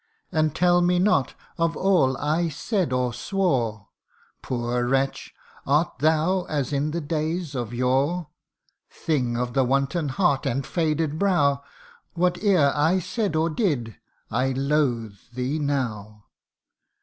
And tell me not of all I said or swore : Poor wretch ! art thou as in the days of yore ? C^NTO III. 73 Thing of the wanton heart and faded brow, Whate'er I said or did I loathe thee now